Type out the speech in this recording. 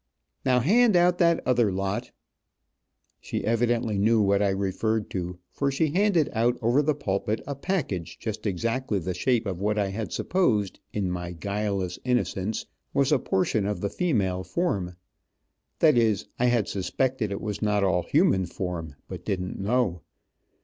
"Now hand out that other lot." She evidently knew what I referred to, for she handed out over the pulpit a package just exactly the shape of what I had supposed, in my guileless innocence, was a portion of the female form. That is, I had suspected it was not all human form, but didn't know.